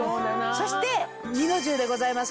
そして二の重でございます。